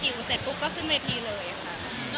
อยู่เสร็จปุ๊บก็ขึ้นเวทีเลยค่ะ